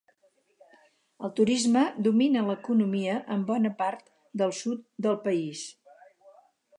El turisme domina l'economia en bona part del sud del país.